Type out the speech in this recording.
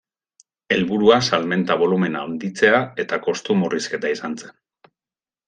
Helburua salmenta bolumen handitzea eta kostu murrizketa izan zen.